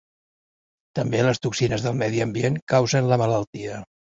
També les toxines del medi ambient causen la malaltia.